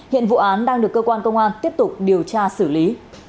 hiện vụ án đang được cơ quan công an tiếp tục điều tra xử lý